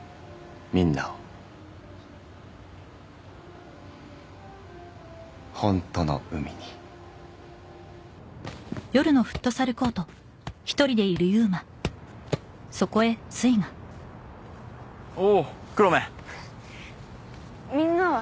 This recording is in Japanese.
みんなをホントの海におおー黒目みんなは？